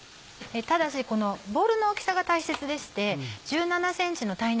ただしこのボウルの大きさが大切でして。